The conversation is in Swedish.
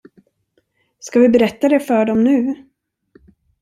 Ska vi berätta det för dem nu?